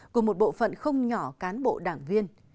của một bộ phận không nhỏ cán bộ đảng viên